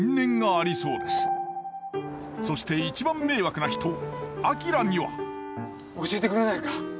そして一番迷惑な人明には教えてくれないか？